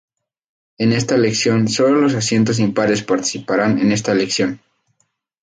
En esta elección sólo los asientos impares participaran en esta elección.